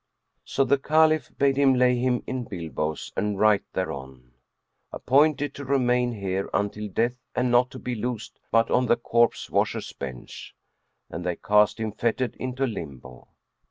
So the Caliph bade lay him in bilboes and write thereon, "Appointed to remain here until death and not to be loosed but on the corpse washer's bench;" and they cast him fettered into limbo.